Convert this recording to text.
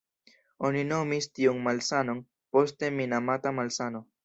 Oni nomis tiun malsanon poste Minamata-malsano.